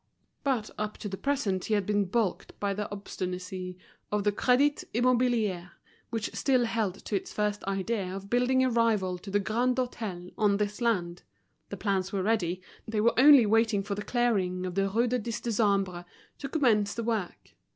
Bat up to the present he had been baulked by the obstinacy of the Crédit Immobilier, which still held to its first idea of building a rival to the Grand Hôtel on this land. The plans were ready, they were only waiting for the clearing of the Rue du Dix Décembre to commence the work.